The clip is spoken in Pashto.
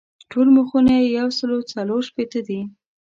ټول مخونه یې یو سل څلور شپېته دي.